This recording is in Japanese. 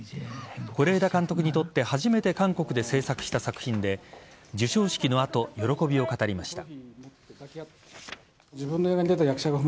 是枝監督にとって初めて韓国で製作した作品で授賞式の後、喜びを語りました。